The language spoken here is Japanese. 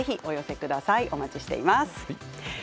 お待ちしています。